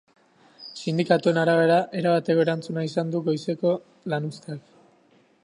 Sindikatuen arabera, erabateko erantzuna izan du goizeko lanuzteak.